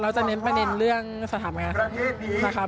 เราจะเน้นประเด็นเรื่องสถามงาน